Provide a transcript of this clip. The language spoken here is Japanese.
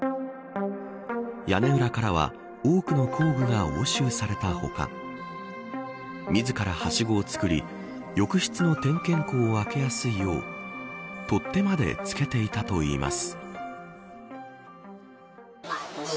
屋根裏からは多くの工具が押収された他自らはしごを作り浴室の点検口を開けやすいよう取っ手まで付けていたといいます。